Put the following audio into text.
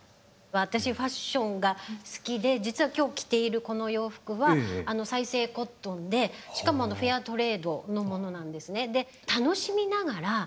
私ファッションが好きで実は今日着ているこの洋服は再生コットンでしかもフェアトレードのものなんですね。